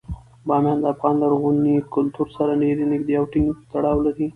بامیان د افغان لرغوني کلتور سره ډیر نږدې او ټینګ تړاو لري.